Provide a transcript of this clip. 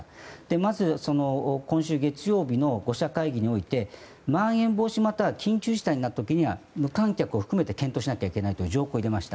まず今週月曜日の５者会議においてまん延防止または緊急事態になった時は無観客を含めて検討しなきゃいけないという条項を入れました。